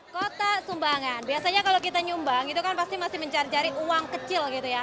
kota sumbangan biasanya kalau kita nyumbang itu kan pasti masih mencari cari uang kecil gitu ya